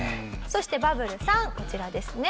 そしてバブル３こちらですね。